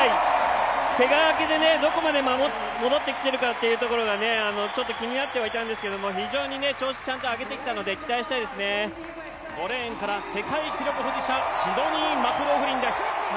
けが明けでどこまで戻ってきてるかがちょっと気になってはいたんですけど、調子をちゃんと上げてきたので５レーンからシドニー・マクローフリンです。